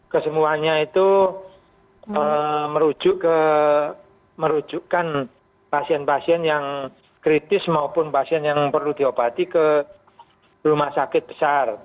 kesemuanya itu merujukkan pasien pasien yang kritis maupun pasien yang perlu diobati ke rumah sakit besar